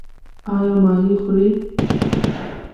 ایا ماهي خورئ؟